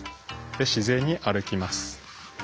自然に歩きます。